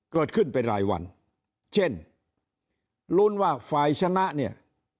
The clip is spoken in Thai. เกิดขึ้นเป็นรายวันเช่นลุ้นว่าฝ่ายชนะเนี่ย